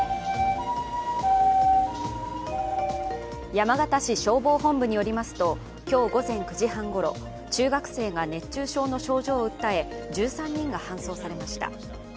山形市消防本部によりますと今日午前９時半ごろ、中学生が熱中症の症状を訴え、１３人が搬送されました。